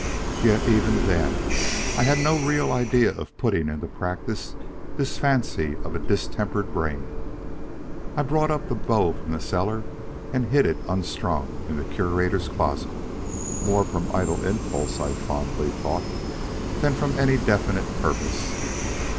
Yet even then I had no real idea of putting into practice this fancy of a distempered brain. I brought the bow up from the cellar and hid it unstrung in the Curator's closet, more from idle impulse I fondly thought, than from any definite purpose.